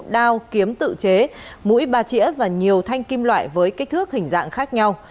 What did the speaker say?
đao kiếm tự chế mũi ba trĩa và nhiều thanh kim loại với kích thước hình dạng khác nhau